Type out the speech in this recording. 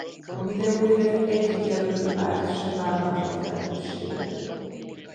A videóért egyik jelölő párt sem vállalta a felelősséget.